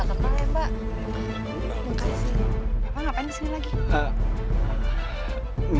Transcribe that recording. apa ngapain kesini lagi